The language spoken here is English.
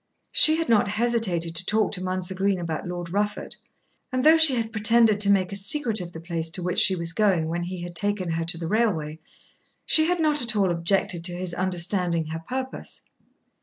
She had not hesitated to talk to Mounser Green about Lord Rufford, and though she had pretended to make a secret of the place to which she was going when he had taken her to the railway, she had not at all objected to his understanding her purpose.